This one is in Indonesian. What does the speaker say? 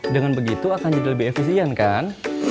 dengan begitu akan jadi lebih efisien kan